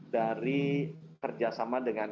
dari kerjasama dengan